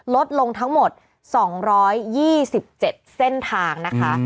ลดลงทั้งหมด๒๒๗เส้นทางนะคะ